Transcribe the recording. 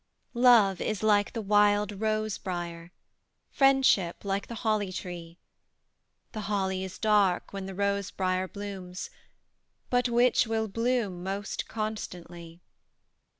Love is like the wild rose briar; Friendship like the holly tree. The holly is dark when the rose briar blooms, But which will bloom most constantly?